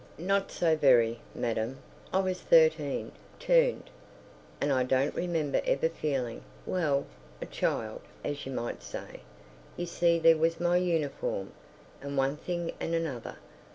... Not so very, madam. I was thirteen, turned. And I don't remember ever feeling—well—a child, as you might say. You see there was my uniform, and one thing and another.